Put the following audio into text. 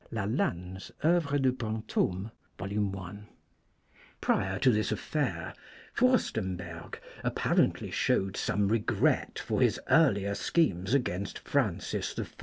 Lalanne's CEuvres de BrantSme, vol. i. pp. 349 50. Prior to this affair Furstemberg apparently showed some regret for his earlier schemes against Francis I.